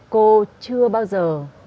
cô chưa bao giờ